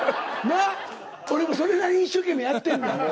なっ俺もそれなりに一生懸命やってんねん。